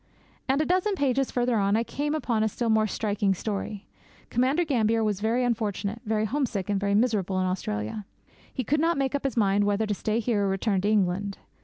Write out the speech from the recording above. And a dozen pages farther on I came upon a still more striking story. Commander Gambier was very unfortunate, very homesick, and very miserable in Australia. He could not make up his mind whether to stay here or return to England.